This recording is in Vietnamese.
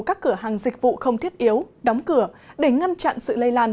các cửa hàng dịch vụ không thiết yếu đóng cửa để ngăn chặn sự lây lan